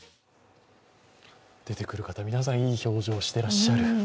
出てくる方、皆さんいい表情してらっしゃる。